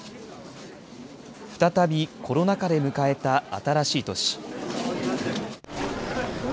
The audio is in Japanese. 再びコロナ禍で迎えた新しい年。